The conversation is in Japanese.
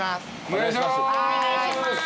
お願いします。